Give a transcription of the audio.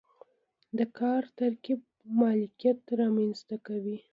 د کار ترکیب مالکیت رامنځته کوي.